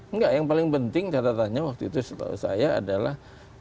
enggak yang paling penting catatannya waktu itu setahu saya adalah